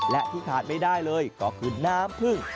และที่ขาดไม่ได้เลยก็คือน้ำพึ่ง